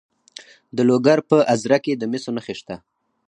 د لوګر په ازره کې د مسو نښې شته.